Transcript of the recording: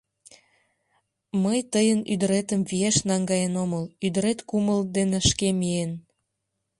Мый тыйын ӱдыретым виеш наҥгаен омыл, ӱдырет кумыл дене шке миен.